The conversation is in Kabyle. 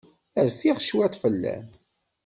Rfiɣ cwiṭ fell-am.